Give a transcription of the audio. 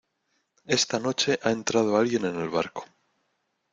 esta noche ha entrado alguien en el barco.